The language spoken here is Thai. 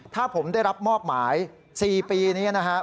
ถ้าผมได้รับมอบหมาย๔ปีนี้นะครับ